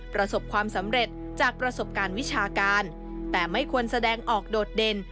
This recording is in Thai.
ประสบความสำเร็จจากประสบการณ์วิชาการแต่ไม่ควรแสดงออกโดดเด่น